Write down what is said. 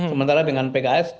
sementara dengan pks